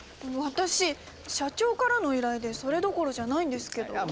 私社長からの依頼でそれどころじゃないんですけど。